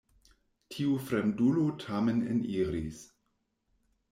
Tiu fremdulo tamen eniris.